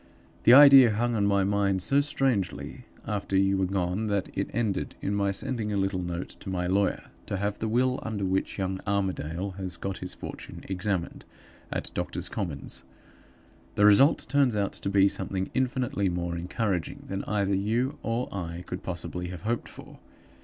The idea hung on my mind so strangely after you were gone that it ended in my sending a little note to my lawyer, to have the will under which young Armadale has got his fortune examined at Doctor's Commons. The result turns out to be something infinitely more encouraging than either you or I could possibly have hoped for.